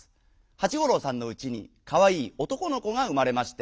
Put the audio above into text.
八五郎さんのうちにかわいい男の子がうまれまして。